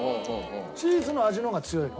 チーズの味の方が強いの？